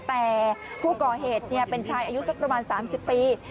แต่ผู้ก่อเหตุเป็นชายอายุสักประมาณ๓๐ปี